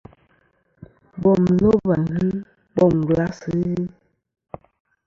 Bom loba ghɨ, bom glas ghɨ.